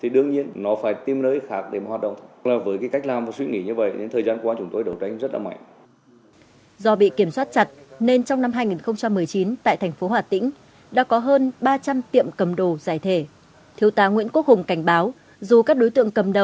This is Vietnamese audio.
dù các đối tượng cầm đồ giải thể không có cơ quan quản lý nhà nước